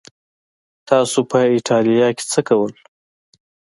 تاسو په ایټالیا کې څه کول؟